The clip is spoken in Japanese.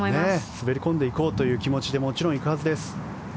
滑り込んでいこうという気持ちでもちろん行くはずです。